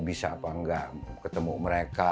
bisa apa enggak ketemu mereka